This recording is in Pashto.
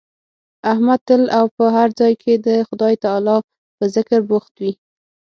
احمد تل او په هر ځای کې د خدای تعالی په ذکر بوخت وي.